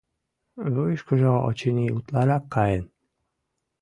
Вуйышкыжо, очыни, утларак каен.